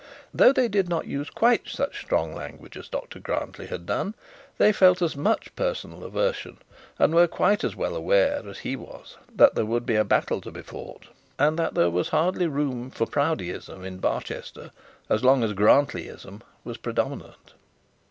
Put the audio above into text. Though they did not use quite such strong language as Dr Grantly had done, they felt as much personal aversion, and were quite as well aware as he was that there would be a battle to be fought, and that there was hardly room for Proudieism in Barchester as long as Grantlyism was predominant.